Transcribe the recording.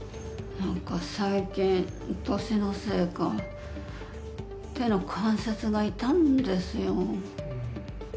何か最近年のせいか手の関節が痛むんですよ